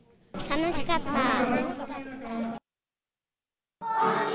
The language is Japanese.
楽しかった。